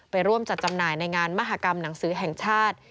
ร่วมจัดจำหน่ายในงานมหากรรมหนังสือแห่งชาติ